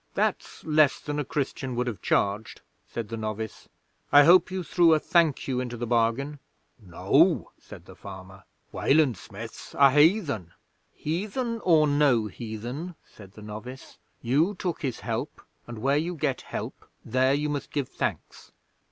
"That's less than a Christian would have charged," said the novice. "I hope you threw a 'Thank you' into the bargain." "No," said the farmer; "Wayland Smith's a heathen." "Heathen or no heathen," said the novice, "you took his help, and where you get help there you must give thanks."